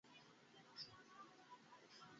আহারে, কীভাবে হলো?